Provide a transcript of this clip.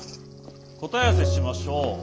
答え合わせしましょう。